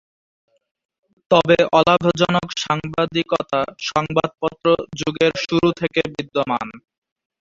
তবে অলাভজনক সাংবাদিকতা সংবাদপত্র যুগের শুরু থেকে বিদ্যমান।